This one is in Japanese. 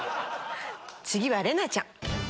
次は麗奈ちゃん。